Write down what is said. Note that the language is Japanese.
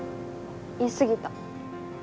言い過ぎた。